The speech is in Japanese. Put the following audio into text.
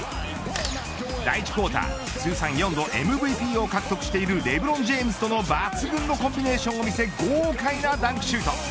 第１クオーター通算４度ＭＶＰを獲得しているレブロン・ジェームズとの抜群のコンビネーションを見せ豪快なダンクシュート。